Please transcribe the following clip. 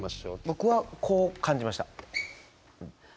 僕はこう感じました。